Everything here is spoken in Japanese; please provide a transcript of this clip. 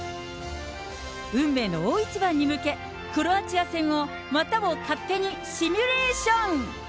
運命の大一番に向け、クロアチア戦をまたも勝手にシミュレーション。